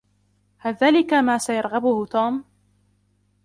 هل ذلك ما سيرغبه توم ؟